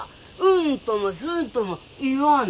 うんともすんとも言わん。